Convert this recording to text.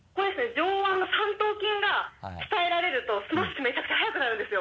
上腕の三頭筋が鍛えられるとスマッシュめちゃくちゃ速くなるんですよ。